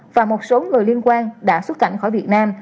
và một số người liên quan đã xuất cảnh khỏi việt nam